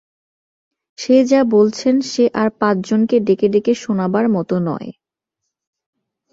সে যা বলছেন সে আর পাঁচজনকে ডেকে ডেকে শোনাবার মতো নয়।